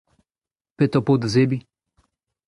Petra ho po da zebriñ ?